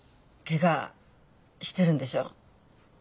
ケガしてるんでしょう？